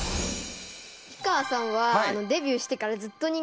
氷川さんはデビューしてからずっと人気ですけど。